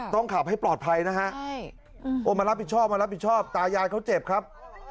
ต้องขับให้ปลอดภัยนะฮะมารับผิดชอบตายญาณเขาเจ็บครับ